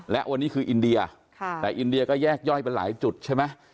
และวันนี้คืออินเดียแต่อินเดียก็แยกย่อยไปหลายจุดใช่ไหม